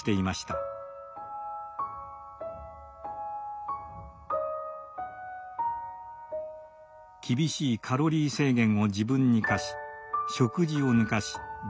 厳しいカロリー制限を自分に課し食事を抜かし下剤も飲みました。